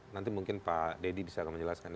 nanti mungkin pak deddy bisa akan menjelaskan